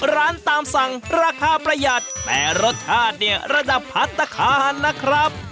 ร้านตามสั่งราคาประหยัดแต่รสชาติเนี่ยระดับพัฒนาคารนะครับ